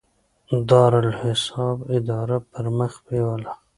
د دارالاحساب اداره پرمخ بیوله.